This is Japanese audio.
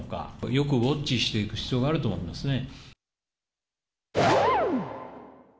よくウォッチしていく必要があると思いますね。